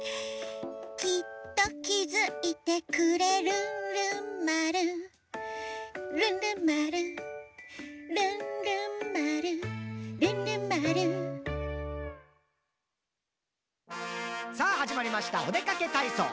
「きっときづいてくれるんるんまる」「るんるんまるるんるんまるるんるんまる」「さぁはじまりましたおでかけたいそう！」